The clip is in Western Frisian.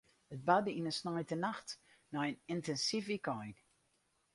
It barde yn in sneintenacht nei in yntinsyf wykein.